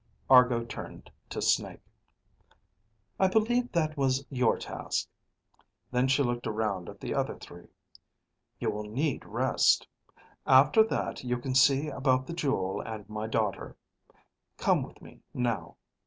Argo turned to Snake. "I believe that was your task." Then she looked around at the other three. "You will need rest. After that you can see about the jewel and my daughter. Come with me, now.